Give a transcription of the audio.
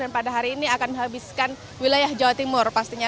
dan pada hari ini akan menghabiskan wilayah jawa timur pastinya